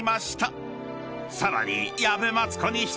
［さらに］